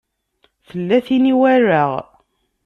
Tella tin i walaɣ.